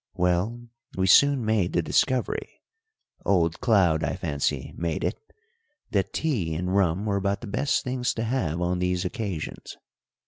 Well, we soon made the discovery old Cloud, I fancy, made it that tea and rum were about the best things to have on these occasions.